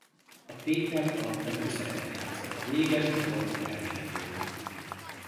A tétel alapvető szerepet játszott a véges csoportok elméletében.